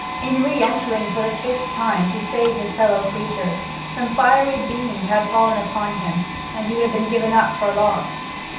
In re entering for the fifth time to save his fellow creatures some fiery beams had fallen upon him, and he had been given up for lost.